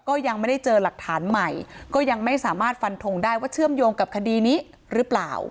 ก็ยังไม่ได้เจอหลักฐานใหม่ก็ยังไม่สามารถฟันทงได้ว่าเชื่อมโยงกับคดีนี้หรือเปล่า